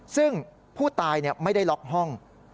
ซึ่งผู้ตายไม่ได้ล็อกห้อง